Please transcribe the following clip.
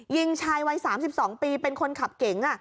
ยิงชายวัย๓๒ปีเป็นคนขับเก๋ง